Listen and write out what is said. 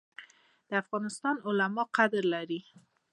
د افغانستان علما قدر لري